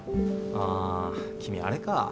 あ君あれか。